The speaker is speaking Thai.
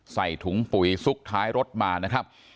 ใส่ถุงปุ๋ยซุกท้ายรถมานะครับ